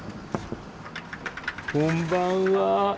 こんばんは。